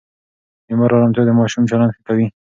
د مور آرامتیا د ماشوم چلند ښه کوي.